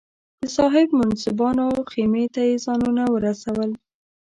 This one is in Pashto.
د صاحب منصبانو خېمې ته یې ځانونه ورسول.